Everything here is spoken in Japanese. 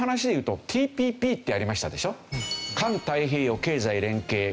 環太平洋経済連携協定。